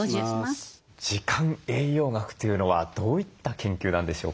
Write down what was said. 時間栄養学というのはどういった研究なんでしょうか？